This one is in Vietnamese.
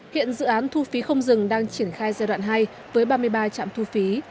hiện dự án thu phí không dừng đang triển khai giai đoạn hai với ba mươi ba trạm thu phí